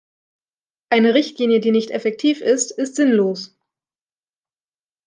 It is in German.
Eine Richtlinie, die nicht effektiv ist, ist sinnlos.